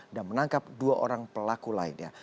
dan menangkap dua orang pelaku lainnya